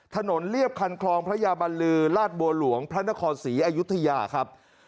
ถนนเรียบคันคลองพระยาบาลลือลาสโบราห์หลวงพระนครสีอายุทยาครับ